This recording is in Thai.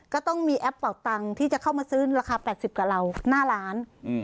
ก็ต้องมีแอปเป่าตังค์ที่จะเข้ามาซื้อราคา๘๐กับเราหน้าร้าน